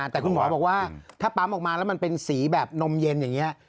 แต่คุณหมอบอกว่าถ้าปั๊มออกมาแล้วมันเป็นสีแบบนมเย็นอย่างนี้